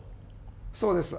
そうです。